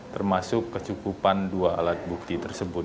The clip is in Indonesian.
termasuk kecukupan dua alat bukti tersebut